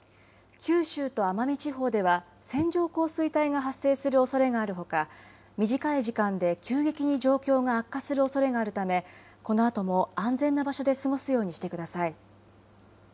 九州と奄美地方では線状降水帯が発生するおそれがあるほか短い時間で急激に状況が悪化するおそれがあるため、このあとも安全な場所で過ごすようにしてください。